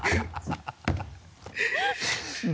ハハハ